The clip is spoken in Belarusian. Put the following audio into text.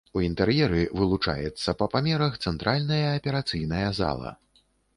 У інтэр'еры вылучаецца па памерах цэнтральная аперацыйная зала.